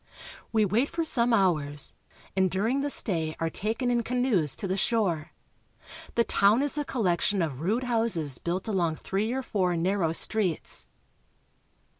We wait for some hours, and during the stay are taken in canoes to the shore. The town is a collection of rude houses built along three or four narrow streets.